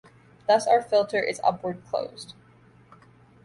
Thus our filter is upward closed.